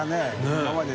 今まで。